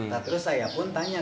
dan terus saya pun tanya